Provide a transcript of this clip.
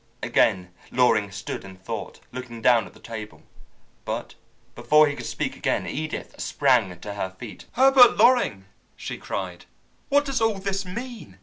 Again Loring stood in thought, looking down at the table. But before he could speak again, Edith sprang to her feet. "Herbert Loring," she cried, "what does all this mean?